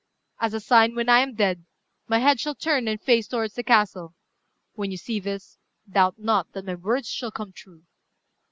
As a sign, when I am dead, my head shall turn and face towards the castle. When you see this, doubt not that my words shall come true."